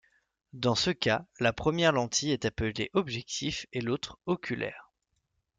Dans ce cas la première lentille est appelée objectif et l'autre oculaire.